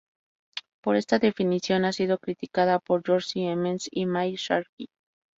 Pero esta definición ha sido criticada por George Siemens y Mike Sharkey.